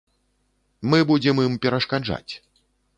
Мы будзем ім перашкаджаць.